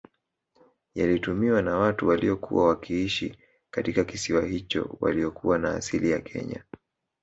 Yalitumiwa na watu waliokuwa wakiishi katika kisiwa hicho waliokuwa na asili ya Kenya